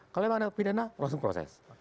kalau memang ada pidana langsung proses